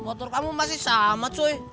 motor kamu masih sama cui